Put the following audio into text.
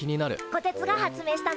こてつが発明したのか？